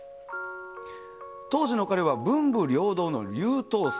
当時の彼は文武両道の優等生。